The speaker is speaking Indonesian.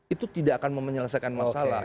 itu tidak akan menyelesaikan masalah